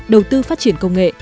đầu tư phát triển công nghệ